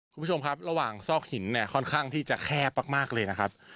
คุณผู้ชมครับระหว่างซอกหินเนี่ยค่อนข้างที่จะแคบมากเลยนะครับ